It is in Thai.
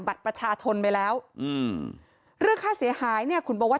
บัตรประชาชนไปแล้วอืมเรื่องค่าเสียหายเนี่ยคุณบอกว่า